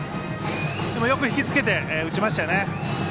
よく引きつけて打ちましたよね。